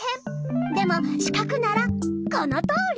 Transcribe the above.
でもしかくならこのとおり！